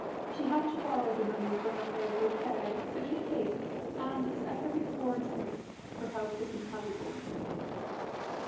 She had to borrow the money for her railroad fare, but she came, and, as ever before and since, her help was invaluable.